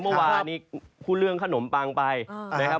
เมื่อวานนี้พูดเรื่องขนมปังไปนะครับ